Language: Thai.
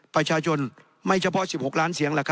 ประชาชนไม่เฉพาะ๑๖ล้านเสียง